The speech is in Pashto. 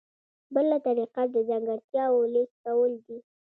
بله طریقه د ځانګړتیاوو لیست کول دي.